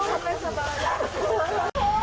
พ่อไม่สบายโอ๊ยโห้โห้โห้